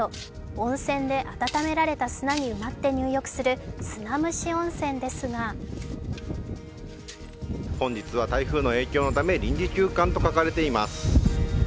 温泉で温められた砂に埋まって入浴する砂蒸し温泉ですが本日は台風の影響のため臨時休館と書かれています。